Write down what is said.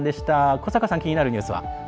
古坂さん、気になるニュースは？